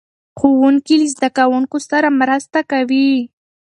ښوونکي له زده کوونکو سره مرسته کوي.